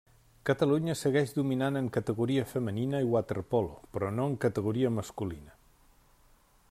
Catalunya segueix dominant en categoria femenina i waterpolo però no en categoria masculina.